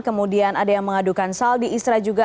kemudian ada yang mengadukan saldi isra juga